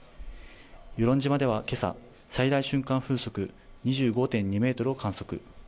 与論島では今朝最大瞬間風速２５．２メートルを観測。